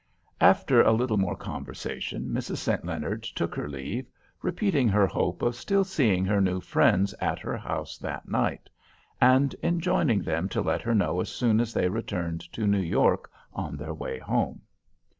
After a little more conversation Mrs. St. Leonard took her leave, repeating her hope of still seeing her new friends at her house that night; and enjoining them to let her know as soon as they returned to New York on their way home.